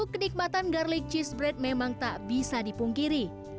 kenikmatan garlic cheese bread memang tak bisa dipungkiri